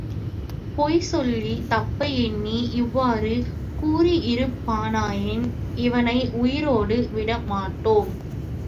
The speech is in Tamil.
பொய் சொல்லித் தப்ப எண்ணி இவ்வாறு கூறியிருப்பானாயின் இவனை உயிரோடு விடமாட்டோம்.